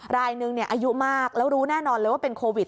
รายนึงอายุมากแล้วรู้แน่นอนเลยว่าเป็นโควิด